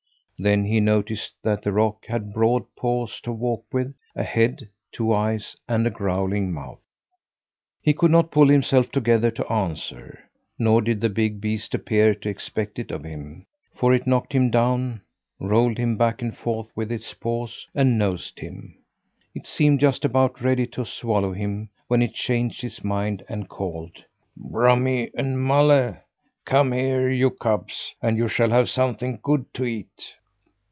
Then he noticed that the rock had broad paws to walk with, a head, two eyes, and a growling mouth. He could not pull himself together to answer, nor did the big beast appear to expect it of him, for it knocked him down, rolled him back and forth with its paws, and nosed him. It seemed just about ready to swallow him, when it changed its mind and called: "Brumme and Mulle, come here, you cubs, and you shall have something good to eat!"